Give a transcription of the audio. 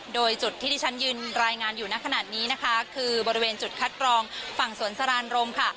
โดยจุดที่ที่ฉันยืนรายงานอยู่ในขณะนี้นะคะคือบริเวณจุดคัดกรองฝั่งสวนสรานรมค่ะ